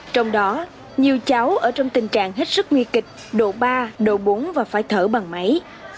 trong đó nhiều cháu ở trong tình trạng hết sức nguy kịch độ ba độ bốn và phải thở bằng máy